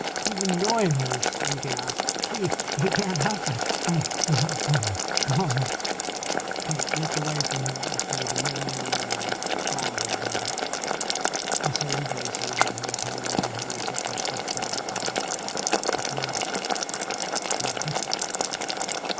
"Even Noyes," he gasped. "He he can't help it. Oh, my goo hood Gaw hud!" Cake looked away from him to the men and women that thronged about her. The same faces that had turned to her such a short while ago; but now, how different!